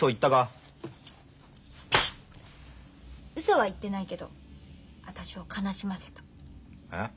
うそは言ってないけど私を悲しませた。え？